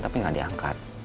tapi enggak diangkat